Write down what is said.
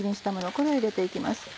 これを入れていきます。